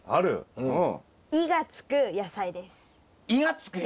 うん。